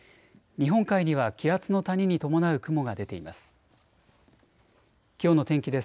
日本海には気圧の谷に伴う雲が出ています。